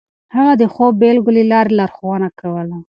هغه د ښو بېلګو له لارې لارښوونه کوله.